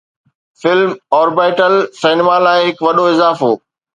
فلم-orbital cinema لاء هڪ وڏو اضافو